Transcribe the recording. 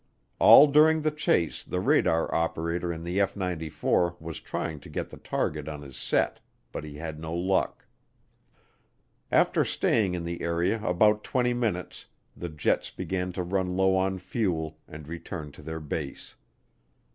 All during the chase the radar operator in the F 94 was trying to get the target on his set but he had no luck. After staying in the area about twenty minutes, the jets began to run low on fuel and returned to their base.